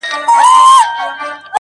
د ژوند يې يو قدم سو، شپه خوره سوه خدايه,